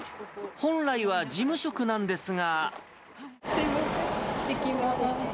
本来は事務職なんですが。